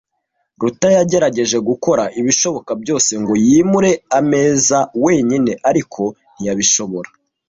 Ruta yagerageje gukora ibishoboka byose ngo yimure ameza wenyine, ariko ntiyabishobora.